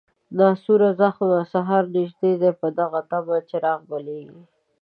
ناسوره زخمه، سهار نژدې دی په دغه طمه، چراغ بلیږي